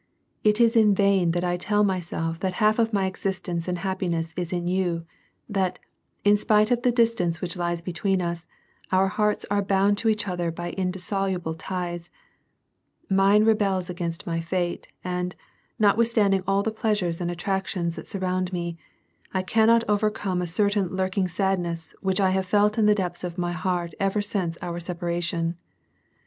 It is in vain that I tell myself that half of my existence and happiness is in you, that, in spite of the dis tance which lies between us, our hearts are bound to each other by indissoluble ties ; mine rebels against my fate, and, not withstanding all the pleasures and attractions Jbhat surround me, I cannot overcome a certain lurking sadness which I have felt in the depths of my heart ever since our separation.